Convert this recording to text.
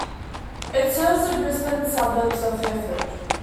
It serves the Brisbane suburb of Fairfield.